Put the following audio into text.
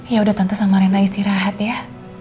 yaudah tante sama rena istirahat ya